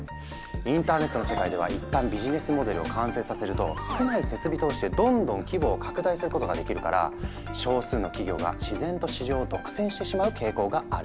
インターネットの世界ではいったんビジネスモデルを完成させると少ない設備投資でどんどん規模を拡大することができるから少数の企業が自然と市場を独占してしまう傾向があるんだ。